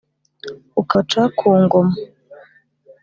Ukabaca ku ngoma.